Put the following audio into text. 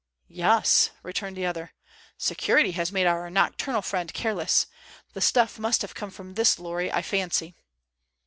"Yes," returned the other. "Security has made our nocturnal friend careless. The stuff must have come from this lorry, I fancy."